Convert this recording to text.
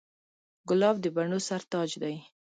ګلاب د بڼو سر تاج دی.